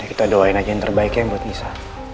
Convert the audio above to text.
kita doain aja yang terbaiknya buat nisa